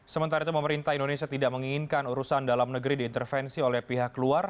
sementara itu pemerintah indonesia tidak menginginkan urusan dalam negeri diintervensi oleh pihak luar